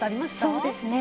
そうですね。